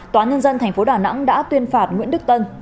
tòa nhân dân tp đà nẵng đã tuyên phạt nguyễn đức tân